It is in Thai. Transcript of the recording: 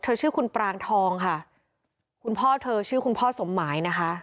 ชื่อคุณปรางทองค่ะคุณพ่อเธอชื่อคุณพ่อสมหมายนะคะ